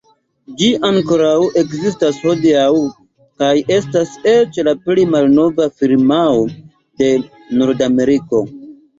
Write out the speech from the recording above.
Ĝi ankoraŭ ekzistas hodiaŭ, kaj estas eĉ la plej malnova firmao de Nordameriko.